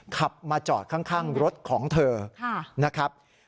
ขับมาจอดข้างรถของเธอนะครับ